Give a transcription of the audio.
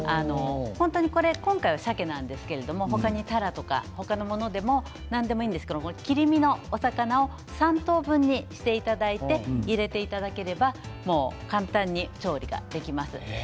今回は、さけなんですけどたらとか他のものでも何でもいいんですけど切り身のお魚を３等分にしていただいて入れていただければ簡単に調理ができます。